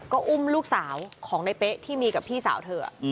ก็อุ้มลูกสาวของในเป๊ะที่มีกับพี่สาวเธอ